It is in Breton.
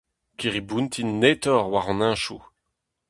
Kirri-boutin naetoc'h war hon hentoù.